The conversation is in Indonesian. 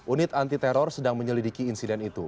unit anti teror sedang menyelidiki insiden itu